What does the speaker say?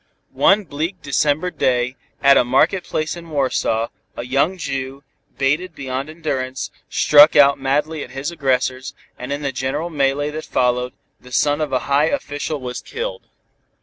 One bleak December day, at a market place in Warsaw, a young Jew, baited beyond endurance, struck out madly at his aggressors, and in the general mêlée that followed, the son of a high official was killed.